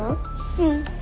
うん。